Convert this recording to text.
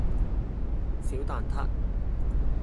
小蛋撻